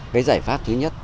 cái giải pháp thứ nhất